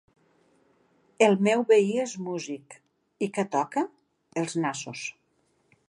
-El meu veí és músic. -I què toca? -Els nassos.